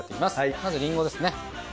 まずりんごですね。